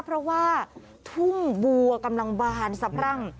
เพราะว่าทุ่งบัวกำลังบานสะพรั่ง